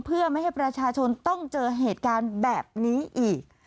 เพื่อไม่ให้ประชาชนต้องเจอเหตุการณ์แบบนี้อีก